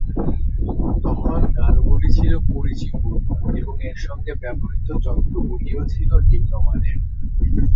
তখন গানগুলি ছিল কুরুচিপূর্ণ এবং এর সঙ্গে ব্যবহূত যন্ত্রগুলিও ছিল নিম্নমানের।